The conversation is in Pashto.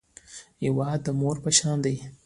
هېواد د مور په شان دی